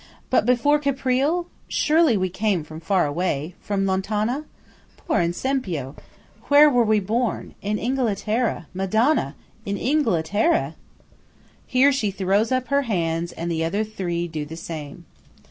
But before Caprile? Surely we came from far away–from Lontana? Per esempio!–where were we born! In Inghilterra! Madonna! In Inghilterra! Here she throws up her hands, and the other three do the same.